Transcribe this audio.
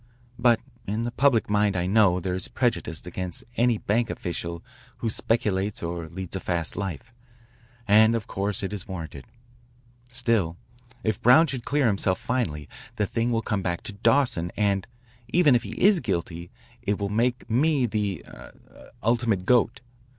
"But in the public mind I know there is prejudice against any bank official who speculates or leads a fast life, and of course it is warranted. Still, if Brown should clear himself finally the thing will come back to Dawson and even if he is guilty, it will make me the er the ultimate goat.